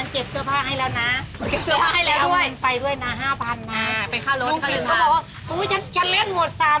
จะมาตามทวงหนี้ที่ร้าน